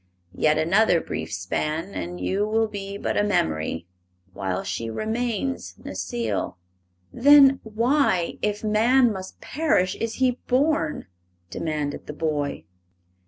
Yet another brief span and you will be but a memory, while she remains Necile." "Then why, if man must perish, is he born?" demanded the boy.